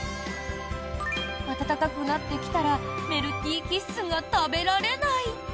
暖かくなってきたらメルティーキッスが食べられない。